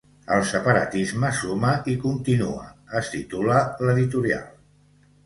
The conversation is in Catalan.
“El separatisme suma i continua”, es titula l’editorial.